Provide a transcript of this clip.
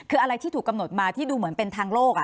คืออะไรที่ถูกกำหนดมาที่ดูเหมือนเป็นทางโลก